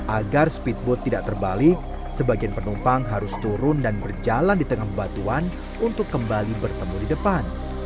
agar speedboat tidak terbalik sebagian penumpang harus turun dan berjalan di tengah batuan untuk kembali bertemu di depan